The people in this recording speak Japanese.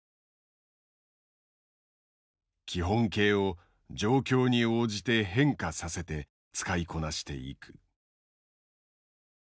「基本型を状況に応じて変化させて使いこなして行く」。